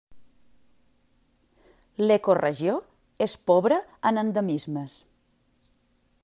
L'ecoregió és pobra en endemismes.